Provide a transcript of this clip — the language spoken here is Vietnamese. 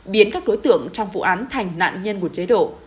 biến các đối tượng trong vụ án thành nạn nhân của chế độ